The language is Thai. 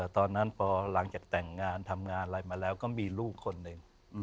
ตอนนั้นพอหลังจากแต่งงานทำงานอะไรมาแล้วก็มีลูกคนหนึ่ง